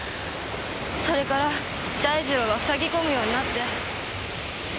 それから大二郎はふさぎ込むようになって。